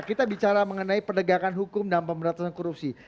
kita bicara mengenai penegakan hukum dan pemberantasan korupsi